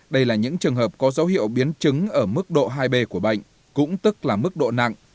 đây là những trường hợp có dấu hiệu biến chứng ở mức độ hai b của bệnh cũng tức là mức độ nặng